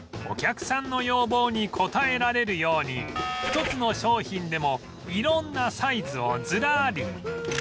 お客さんの要望に応えられるように１つの商品でも色んなサイズをズラリ